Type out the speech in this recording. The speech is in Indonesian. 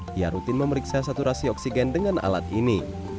dia rutin memeriksa saturasi oksigen dengan alat ini